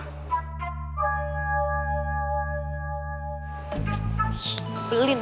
kok kamu nyuruh nyuruh orang